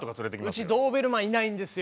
うちドーベルマンいないんですよ。